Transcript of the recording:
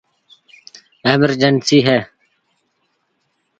This legend is also told with Wulfram being replaced with bishop Willibrord.